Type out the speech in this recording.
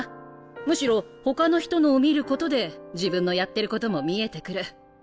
むしろほかの人のを見ることで自分のやってることも見えてくる。